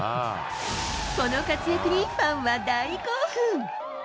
この活躍にファンは大興奮。